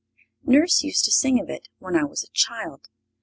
Nurse used to sing of it when I was a child.